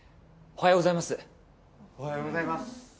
おはようございます。